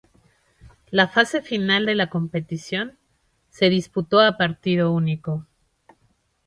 La fase final de la competición se disputó a partido único.